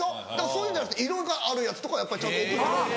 そういうのじゃなくて色があるやつとか送ってくれる。